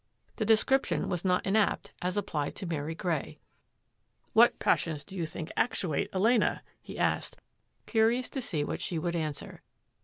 The description was not inapt as applied to Mary Grey. " What passions do you think actuate Elena? " he asked, curious to see what she would answer.